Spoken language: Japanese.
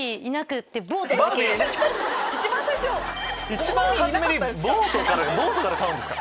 一番初めボート買うんですか？